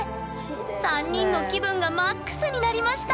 ３人の気分がＭＡＸになりました！